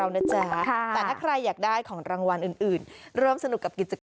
นี่นี่นี่นี่นี่